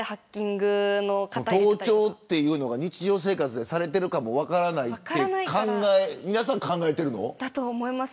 盗聴が日常生活でされているかもしれないとだと思います。